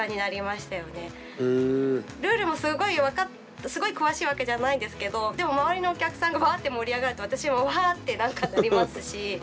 ルールもすごい分かっすごい詳しいわけじゃないんですけどでも周りのお客さんがわって盛り上がると私もわって何かなりますし。